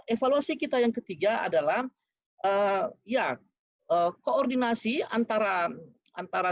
evaluasi kita yang ketiga adalah ya koordinasi antara